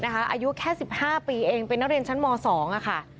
แค่สิบห้าปีเองเป็นนักเรียนชั้นม๒อ่ะค่ะ